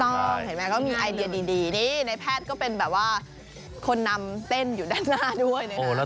เขาก็มีไอเดียดีนี่ในแพทย์ก็เป็นคนนำเต้นอยู่ด้านหน้าด้วยนะ